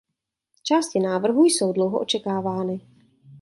Části návrhu jsou dlouho očekávány.